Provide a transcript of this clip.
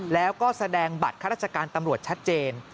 แล้วก็แสดงบัตรข้าราชการตำรวจชัดเจน